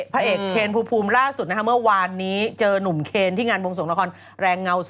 พระเอกเคนภูมิล่าสุดนะคะเมื่อวานนี้เจอนุ่มเคนที่งานวงสวงละครแรงเงา๒